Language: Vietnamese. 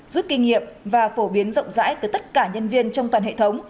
giúp kinh nghiệm và phổ biến rộng rãi từ tất cả nhân viên trong toàn hệ thống